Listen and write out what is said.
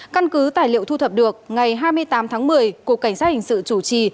căn cứ tài liệu thu thập được ngày hai mươi tám tháng một mươi cục cảnh sát hình sự chủ trì